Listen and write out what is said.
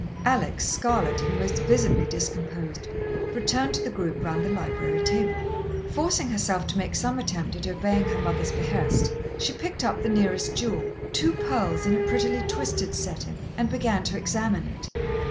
Alex, scarlet, and most visibly discomposed, returned to the group round the library table. Forcing herself to make some attempt at obeying her mother's behest, she picked up the nearest jewel, two pearls in a prettily twisted setting, and began to examine it.